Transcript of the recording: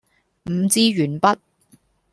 五支鉛筆